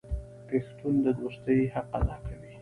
پښتون د دوستۍ حق ادا کوي.